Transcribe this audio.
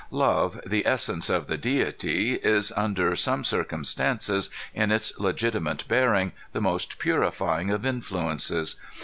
Love, the essence of the deity, is, under some circumstances, in its legitimate bearing, the most purifying of influences.